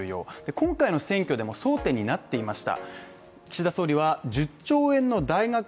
今回の選挙でも争点になっていました。